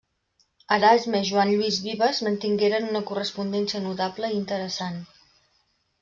Erasme i Joan Lluís Vives mantingueren una correspondència notable i interessant.